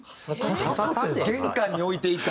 玄関に置いていた？